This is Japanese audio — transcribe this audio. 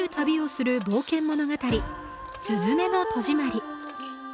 「すずめの戸締まり」。